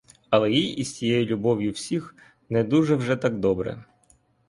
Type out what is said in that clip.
Але їй з тією любов'ю всіх не дуже вже так добре.